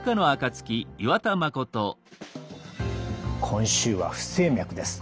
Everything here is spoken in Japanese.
今週は「不整脈」です。